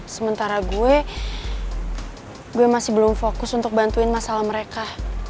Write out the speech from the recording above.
sementara gue masih belum fokus untuk bantuin masalah mereka